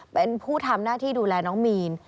เป็นผู้ทำหน้าที่ดูแลน้องมีน